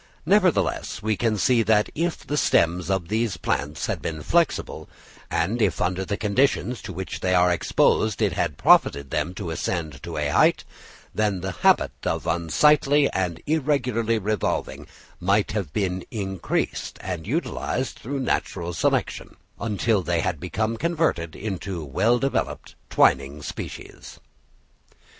Nevertheless we can see that if the stems of these plants had been flexible, and if under the conditions to which they are exposed it had profited them to ascend to a height, then the habit of slightly and irregularly revolving might have been increased and utilised through natural selection, until they had become converted into well developed twining species.